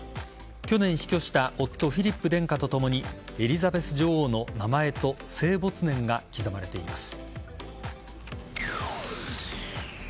去年死去した夫・フィリップ殿下とともにエリザベス女王の名前と生没年が刻まれています。